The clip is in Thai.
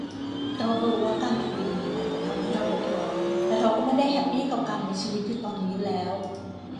เรารู้ว่าการทวิตนี้อาจจะทำให้เราเดือดร้อน แต่เราก็ไม่ได้แฮปปี้กับการมีชีวิตอยู่ตอนนี้อยู่แล้ว